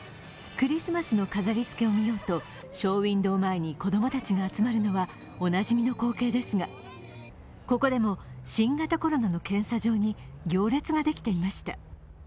クリスマスの飾りつけを見ようと、ショーウインドー前に子供たちが集まるのはおなじみの光景ですが、ここでも新型コロナの検査場に行列ができていました。